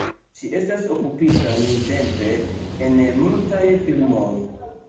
Ŝi estas okupita nuntempe en multaj filmoj.